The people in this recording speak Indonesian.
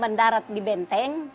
dia mendarat di benteng